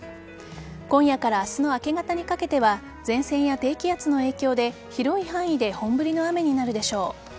今夜から明日の明け方にかけては前線や低気圧の影響で広い範囲で本降りの雨になるでしょう。